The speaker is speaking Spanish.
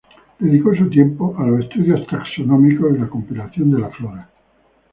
Dedicó su tiempo a los estudios taxonómicos y la compilación de la flora.